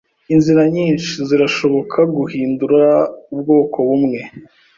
Inzira nyinshi zirashoboka guhindura ubwoko bumwe